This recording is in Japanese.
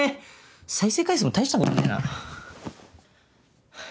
再生回数も大したことねえな。